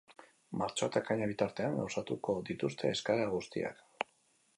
Martxoa eta ekaina bitartean gauzatuko dituzte eskaera guztiak.